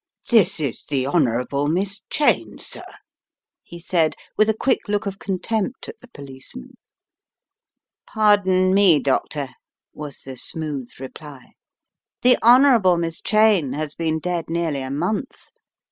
"This is the Honourable Miss Cheyne, sir," he said with a quick look of contempt at the policeman. "Pardon me, Doctor," was the smooth reply. "The Honourable Miss Cheyne has been dead nearly a month.